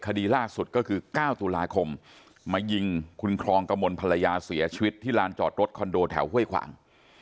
คือ๙ตุลาคมมายิงคุณครองกระมวลภรรยาเสียชีวิตที่ร้านจอดรถคอนโดแถวเฮ้ยขวาง